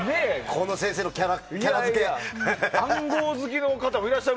この先生のキャラ付け。